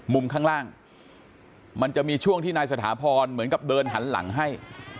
ข้างล่างมันจะมีช่วงที่นายสถาพรเหมือนกับเดินหันหลังให้